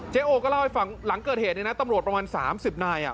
โอก็เล่าให้ฟังหลังเกิดเหตุเนี่ยนะตำรวจประมาณ๓๐นาย